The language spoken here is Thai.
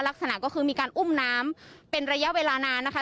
ลักษณะก็คือมีการอุ้มน้ำเป็นระยะเวลานานนะคะ